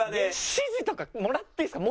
指示とかもらっていいですか？